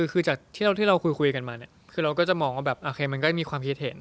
คือจากที่เราคุยกันมาเนี่ยคือเราก็จะมองว่าแบบโอเคมันก็มีความคิดเห็น